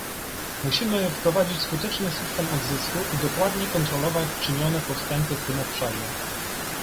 Musimy wprowadzić skuteczny system odzysku i dokładnie kontrolować czynione postępy w tym obszarze